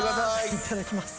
いただきます。